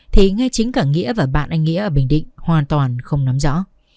thì ngay chính cả nghĩa và bạn anh nghĩa ở bình định hoàn toàn không nắm rõ